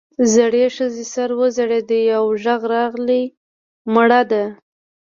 زړې ښځې سر وځړېد او غږ راغی مړه ده.